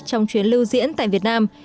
trong chuyến lưu diễn tại việt nam